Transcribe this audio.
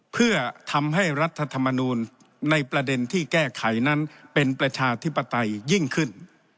เพื่อทำให้รัฐธรรมนูลในประเด็นที่แก้ไขนั้นเป็นประชาธิปไตยยิ่งขึ้น